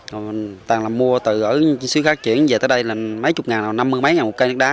người ta là mua từ ở xứ khác chuyển về tới đây là mấy chục ngàn năm mươi mấy ngàn một cây nước đá